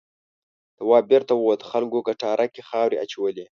تواب بېرته ووت خلکو کټاره کې خاورې اچولې.